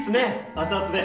熱々で。